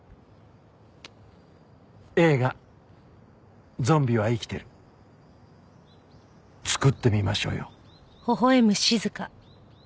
映画『ゾンビは生きている』作ってみましょうよ。